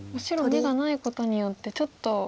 白眼がないことによってちょっと。